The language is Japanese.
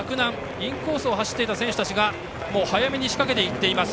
インコースを走っていた選手たちが早めに仕掛けていっています。